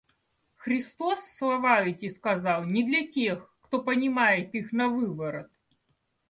Христос слова эти сказал не для тех, кто понимает их навыворот.